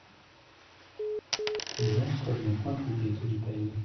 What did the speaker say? Le monstre n'est point troublé, se dit-elle.